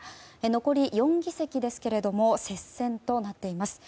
残り４議席ですが接戦となっています。